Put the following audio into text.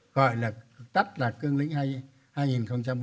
gọi là tắt lạc cương lĩnh hai nghìn một mươi một